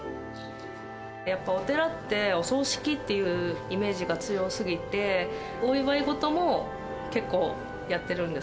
やっぱりお寺って、お葬式っていうイメージが強すぎて、お祝い事も結構やってるんです。